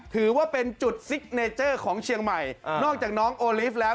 ถือว่าเป็นจุดซิกเนเจอร์ของเชียงใหม่นอกจากน้องโอลิฟต์แล้ว